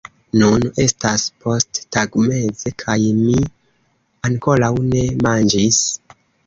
Nun estas posttagmeze kaj mi ankoraŭ ne manĝis